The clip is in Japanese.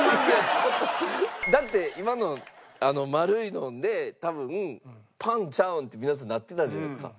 だって今の丸いので多分パンちゃうん？って皆さんなってたじゃないですか？